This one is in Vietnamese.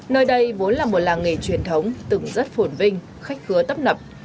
nơi đây vốn là một làng nghề truyền thống từng rất phổn vinh khách khứa tấp nập